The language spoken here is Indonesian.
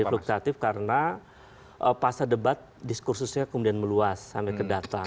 jadi fluktuatif karena pasca debat diskursusnya kemudian meluas sampai ke data